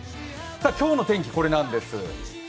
今日の天気、これなんです。